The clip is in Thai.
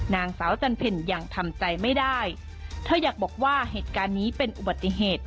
นางสาวจันเพ็ญยังทำใจไม่ได้เธออยากบอกว่าเหตุการณ์นี้เป็นอุบัติเหตุ